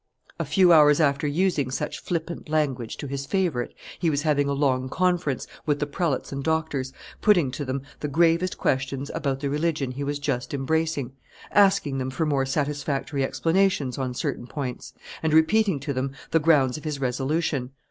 A few hours after using such flippant language to his favorite, he was having a long conference with the prelates and doctors, putting to them the gravest questions about the religion he was just embracing, asking them for more satisfactory explanations on certain points, and repeating to them the grounds of his resolution.